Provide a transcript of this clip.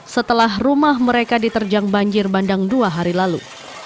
setelah rumah mereka diterjang banjir bandang dua hari lalu